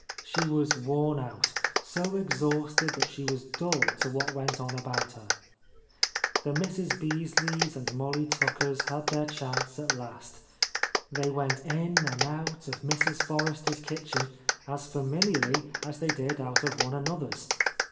She was worn out ; so exhausted that she was dull to what went on about her. The Mrs. Beasleys and Molly Tuckers had their chance at last. They went in and out of Mrs. Forrester's kitchen as familiarly as they did out of one an other's.